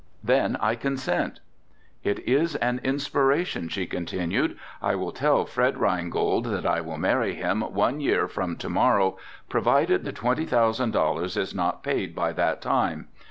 "Then I consent." "It is an inspiration," she continued, "I will tell Fred Reingold that I will marry him one year from to morrow, provided the twenty thousand dollars is not paid by that time.